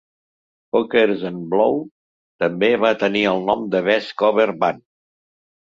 Hookers N' Blow també va tenir el nom de Best Cover Band.